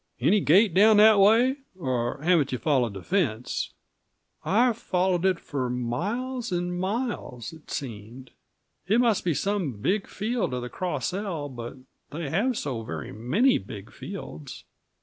Any gate down that way or haven't you followed the fence?" "I followed it for miles and miles it seemed. It must be some big field of the Cross L; but they have so very many big fields!"